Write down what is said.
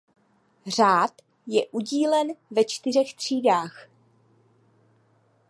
Řád je udílen ve čtyřech třídách.